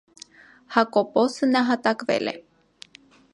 Հակոբոսը նահատակվել է։